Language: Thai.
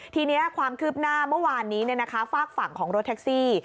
ทีนี้ความคืบหน้าเมื่อวานนี้ฝากฝั่งของรถแท็กซี่